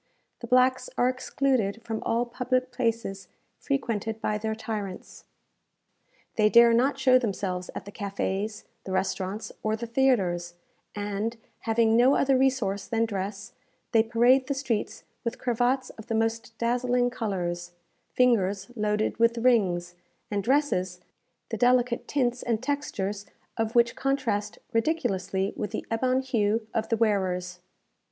The blacks are excluded from all public places frequented by their tyrants. They dare not show themselves at the cafés, the restaurants, or the theatres; and, having no other resource than dress, they parade the streets with cravats of the most dazzling colours, fingers loaded with rings, and dresses the delicate tints and textures of which contrast ridiculously with the ebon hue of the wearers.